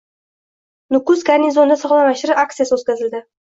Nukus garnizonida sog‘lomlashtirish aksiyasi o‘tkazildi